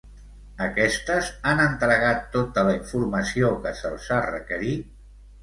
Aquestes han entregat tota la informació que se'ls ha requerit?